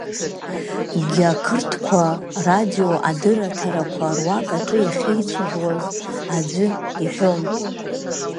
Гь Ақырҭуа радио адырраҭарақәа руак аҿы иахьеицәажәоз аӡәы иҳәон…